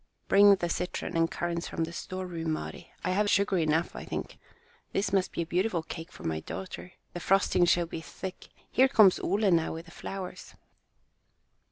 "Bring the citron and currants from the storeroom, Mari. I have sugar enough, I think. This must be a beautiful cake for my daughter. The frosting shall be thick. Here comes Ole now with the flowers."